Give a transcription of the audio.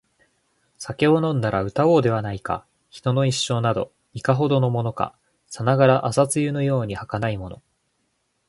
酒を飲んだら歌おうではないか／人の一生など、いかほどのものか／さながら朝露のように儚いもの